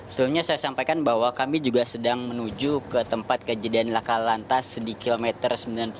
sebelumnya saya sampaikan bahwa kami juga sedang menuju ke tempat kejadian laka lantas di kilometer sembilan puluh tujuh